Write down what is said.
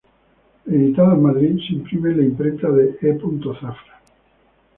Editado en Madrid, se imprimía en la Imprenta de E. Zafra.